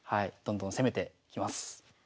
どんどん攻めてきます。